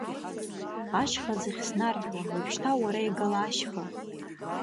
Ашьхаӡыхь снаржәуан, уажәшьҭа уара игала ашьха.